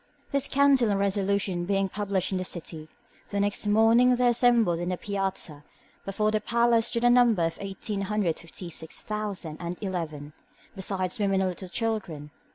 This counsel and resolution being published in the city, the next morning there assembled in the piazza before the palace to the number of eighteen hundred fifty six thousand and eleven, besides women and little children.